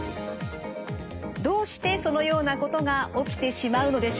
どうしてそのようなことが起きてしまうのでしょうか？